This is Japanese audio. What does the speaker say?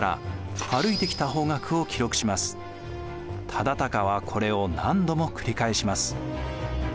忠敬はこれを何度も繰り返します。